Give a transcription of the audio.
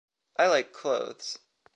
I like clothes.